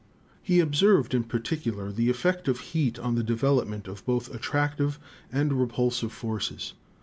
"He observed in particular the effect of heat on the de velopment of both attractive and repulsive forces.